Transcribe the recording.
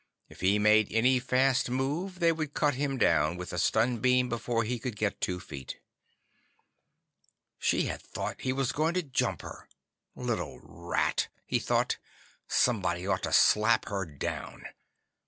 If he made any fast move, they would cut him down with a stun beam before he could get two feet. She had thought he was going to jump her. Little rat! he thought, _somebody ought to slap her down!